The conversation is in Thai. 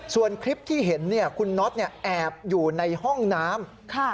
ส่วนคลิปที่เห็นคุณน็อตแอบอยู่ในห้องน้ำ